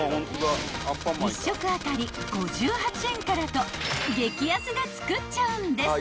［１食当たり５８円からと激安で作っちゃうんです］